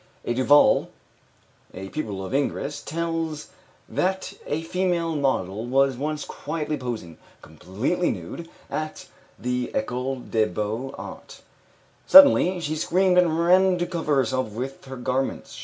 A. Duval, a pupil of Ingres, tells that a female model was once quietly posing, completely nude, at the École des Beaux Arts. Suddenly she screamed and ran to cover herself with her garments.